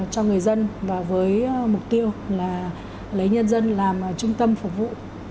cho người dân và với mục tiêu là lấy nhân dân làm trung tâm phục vụ